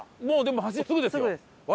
もうでも橋すぐですよ。